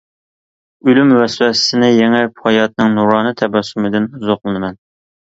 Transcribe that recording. ئۆلۈم ۋەسۋەسىسىنى يېڭىپ، ھاياتنىڭ نۇرانە تەبەسسۇمىدىن زوقلىنىمەن.